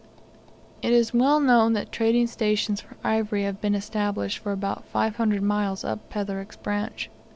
It is well known that trading stations for ivory have been established for about 500 miles up Petherick's branch.